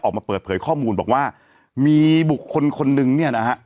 ออกมาเปิดเผยข้อมูลบอกว่ามีบุคคลคนนึงเนี่ยนะฮะ